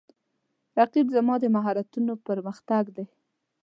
رقیب زما د مهارتونو پر مختګ دی